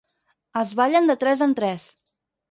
Es ballen de tres en tres.